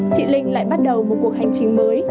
chị linh lại bắt đầu một cuộc hành trình mới